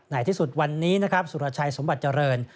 ในที่สุดวันนี้นะครับสุรชัยสมบัติเจริญ